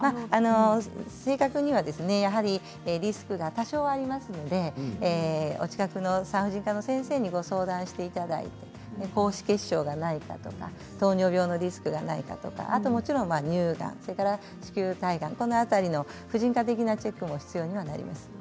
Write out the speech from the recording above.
正確にはリスクが多少ありますのでお近くの産婦人科の先生にご相談いただいて高脂血症がないか糖尿病のリスクがないかとかそれから乳がんや子宮体がんこの辺りの婦人科的なチェックも必要になります。